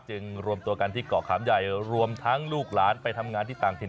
รวมตัวกันที่เกาะขามใหญ่รวมทั้งลูกหลานไปทำงานที่ต่างถิ่น